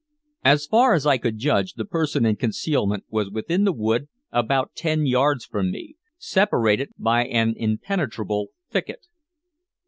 As far as I could judge, the person in concealment was within the wood about ten yards from me, separated by an impenetrable thicket.